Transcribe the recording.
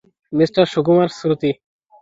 Mister Sukumar, Shruti.